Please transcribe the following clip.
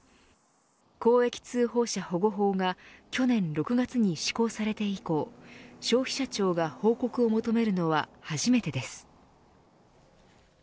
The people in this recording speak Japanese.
公益通報者保護法が去年６月に施行されて以降消費者庁が報告を求めるのは初めてです。